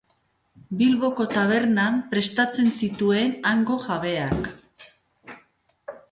Bilboko tabernan prestatzen zituen hango jabeak.